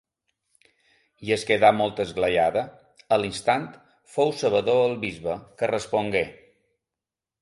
I es quedà molt esglaiada. A l’instant fou sabedor el bisbe, que respongué: